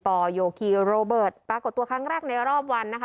โยคีโรเบิร์ตปรากฏตัวครั้งแรกในรอบวันนะคะ